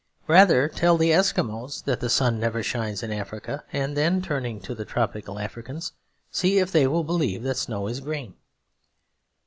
Rather tell the Eskimos that the sun never shines in Africa; and then, turning to the tropical Africans, see if they will believe that snow is green.